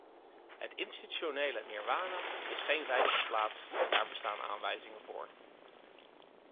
Het institutionele nirwana is geen veilige plaats en daar bestaan aanwijzingen voor.